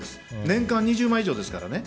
年間２０万以上ですからね。